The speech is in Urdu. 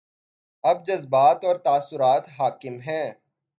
اب جذبات اور تاثرات حاکم ہیں۔